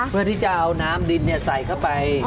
เพื่อที่จะเอาน้ำดินใส่เข้าไป